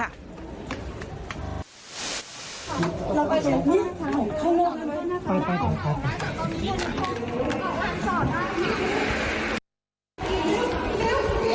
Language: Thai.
เราไปตรงนี้ข้างล่าง